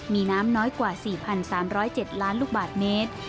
มีน้ำน้อยกว่า๔๓๐๗ล้านลูกบาทเมตร